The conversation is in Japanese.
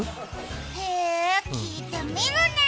へえ、聴いてみるね。